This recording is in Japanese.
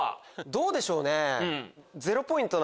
どうでしょうね？